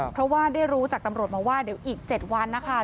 เพราะว่าได้รู้จากตำรวจมาว่าเดี๋ยวอีก๗วันนะคะ